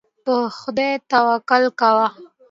پر خدای توکل کوه.